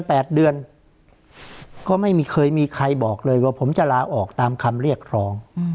แปดเดือนก็ไม่มีเคยมีใครบอกเลยว่าผมจะลาออกตามคำเรียกครอง